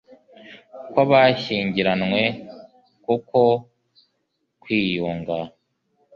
kwa bashyingiranywe kuko kwiyunga